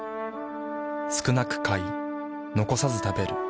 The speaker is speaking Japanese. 少なく買い残さず食べる。